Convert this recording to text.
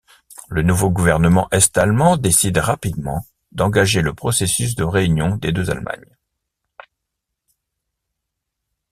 Le nouveau gouvernement est-allemand décide rapidement d'engager le processus de réunion des deux Allemagne.